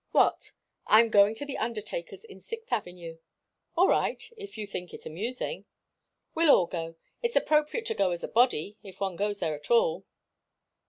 "What?" "I'm going to the undertaker's in Sixth Avenue." "All right if you think it amusing." "We'll all go. It's appropriate to go as a body, if one goes there at all."